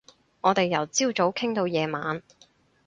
我哋由朝早傾到夜晚